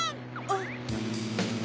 あっ。